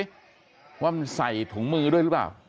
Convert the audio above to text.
ถ้าทำไมต้องแตสายถุงมือด้วยรึเปล่า